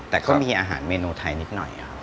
แต่ก็มีอาหารเมนูไทยนิดหน่อยครับ